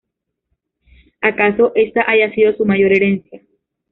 Acaso, esa haya sido su mayor herencia.